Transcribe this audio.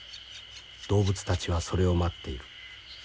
動物たちはそれを待っている。